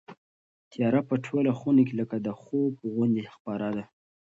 تیاره په ټوله خونه کې لکه د خوب غوندې خپره ده.